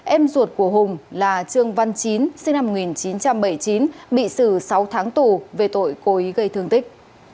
em ruột của hùng là trương văn chín sinh năm một nghìn chín trăm bảy mươi chín bị xử sáu tháng tù về tội cố ý gây thương tích